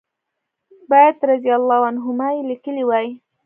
باید رضی الله عنهما یې لیکلي وای.